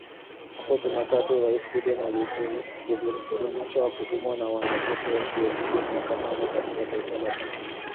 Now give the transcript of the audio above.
Hapo Jumatatu Rais Biden aliidhinisha kutumwa kwa wanajeshi wasiozidi mia tano katika taifa la Somalia.